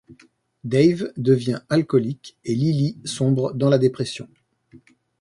Dave devient alcoolique et Lilly sombre dans la dépression.